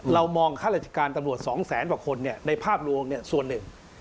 เรามองข้าราชการตำรวจ๒แสนกว่าคนในภาพรวมส่วนหนึ่ง